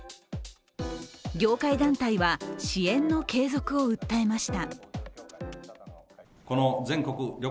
業界団体は支援の継続を訴えました。